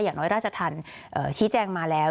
อย่างน้อยราชธรรมชี้แจงมาแล้ว